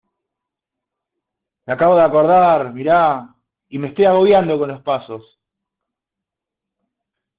me acabo de acordar. mira, y me estoy agobiando con los pasos .